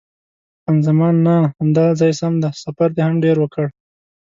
خان زمان: نه، همدا ځای سم دی، سفر دې هم ډېر وکړ.